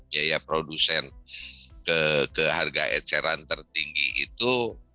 biaya produsen ke harga eceran tertinggi itu